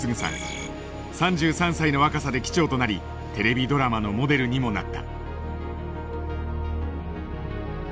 ３３歳の若さで機長となりテレビドラマのモデルにもなった。